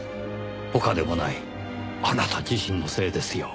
他でもないあなた自身のせいですよ。